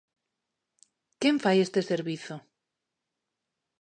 ¿Quen fai este servizo?